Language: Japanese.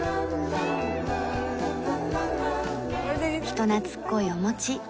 人懐っこいおもち。